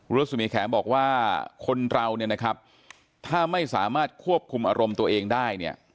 รัศมีแขมบอกว่าคนเราเนี่ยนะครับถ้าไม่สามารถควบคุมอารมณ์ตัวเองได้เนี่ย